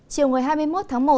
chiều hai mươi một tháng một